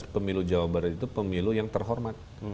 pemilu jawabannya itu pemilu yang terhormat